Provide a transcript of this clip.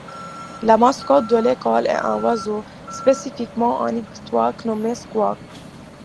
La mascotte de l'école est un oiseau, spécifiquement un Nighthawk nommé Squawk.